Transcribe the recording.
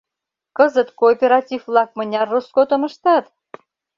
Кызыт кооператив-влак мыняр роскотым ыштат?